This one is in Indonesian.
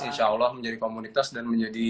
insya allah menjadi komunitas dan menjadi